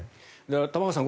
玉川さん